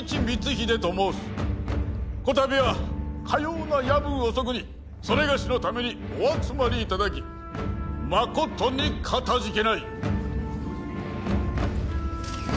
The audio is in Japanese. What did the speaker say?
こたびはかような夜分遅くにそれがしのためにお集まり頂きまことにかたじけない。